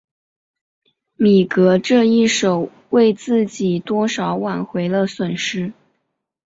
米格这一手为自己多少挽回了损失。